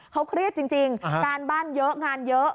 เขาเครียดจริงการบ้านเยอะงานเยอะ